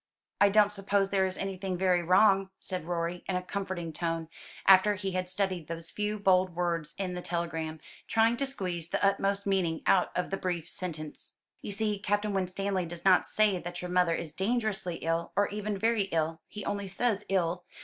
"I don't suppose there is anything very wrong," said Rorie, in a comforting tone, after he had studied those few bold words in the telegram, trying to squeeze the utmost meaning out of the brief sentence. "You see, Captain Winstanley does not say that your mother is dangerously ill, or even very ill; he only says ill.